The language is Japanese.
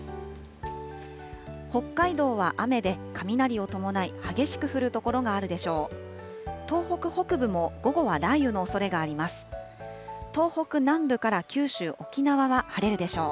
北海道は雨で、雷を伴い、激しく降る所があるでしょう。